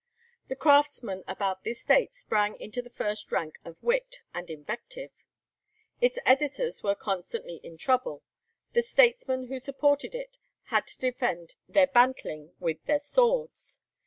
The 'Craftsman' about this date sprang into the first rank for wit and invective. Its editors were constantly in trouble; the statesmen who supported it had to defend their bantling with their swords.